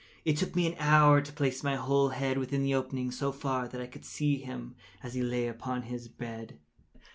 It took me an hour to place my whole head within the opening so far that I could see him as he lay upon his bed.